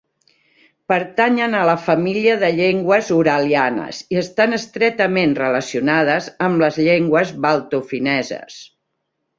Pertanyen a la família de llengües uralianes, i estan estretament relacionades amb les llengües baltofineses.